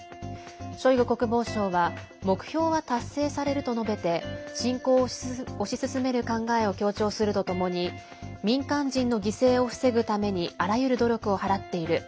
ショイグ国防相は目標は達成されると述べて侵攻を推し進める考えを強調するとともに民間人の犠牲を防ぐためにあらゆる努力を払っている。